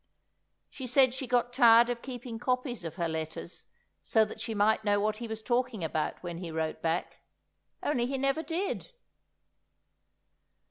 She said she got tired of keeping copies of her letters, so that she might know what he was talking about when he wrote back—only he never did!